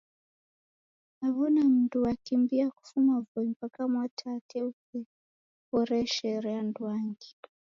Nawona mundu wakimbia kufuma voi mpaka Mwatate usehoreshere anduangi